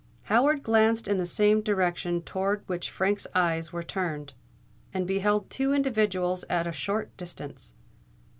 Howard glanced in the same direction towards which Frank's eyes were turned, and beheld two individuals at a short distance.